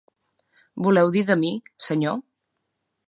Voleu dir de mi, senyor?